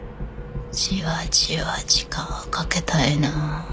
じわじわ時間をかけたいな。